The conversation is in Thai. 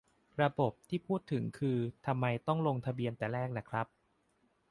"ระบบ" ที่พูดถึงนี่คือ ทำไมต้องลงทะเบียนแต่แรกน่ะครับ